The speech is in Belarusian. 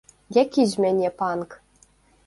Які з мяне панк?